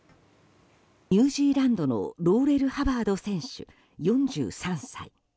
ニュージーランドのローレル・ハバード選手４３歳。